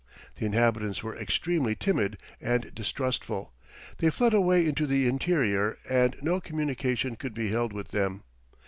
The inhabitants were extremely timid and distrustful; they fled away into the interior and no communication could be held with them.